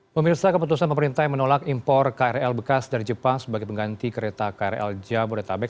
pemirsa keputusan pemerintah yang menolak impor krl bekas dari jepang sebagai pengganti kereta krl jabodetabek